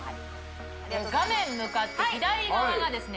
画面向かって左側がですね